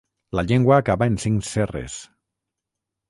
La llengua acaba en cinc cerres.